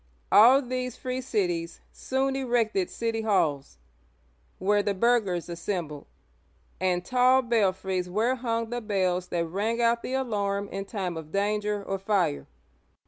All these free cities soon erected city halls, where the burghers assembled, and tall belfries where hung the bells that rang out the alarm {tocsin) in time of danger or fire.